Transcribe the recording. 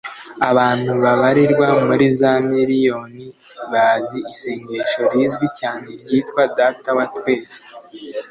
abantu babarirwa muri za miriyoni bazi isengesho rizwi cyane ryitwa data wa twese